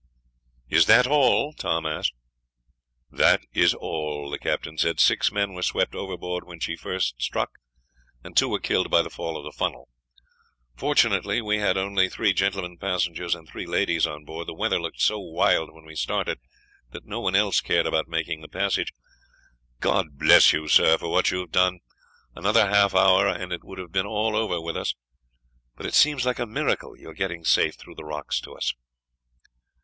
"Is that all?" Tom asked. "That is all," the captain said. "Six men were swept overboard when she first struck, and two were killed by the fall of the funnel. Fortunately we had only three gentlemen passengers and three ladies on board. The weather looked so wild when we started that no one else cared about making the passage. God bless you, sir, for what you have done! Another half hour and it would have been all over with us. But it seems like a miracle your getting safe through the rocks to us."